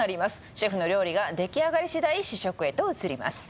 シェフの料理が出来上がりしだい試食へと移ります